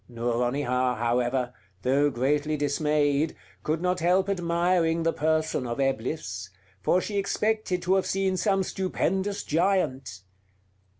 Nouronihar, however, though greatly dismayed, could not help admiring the person of Eblis; for she expected to have seen some stupendous giant.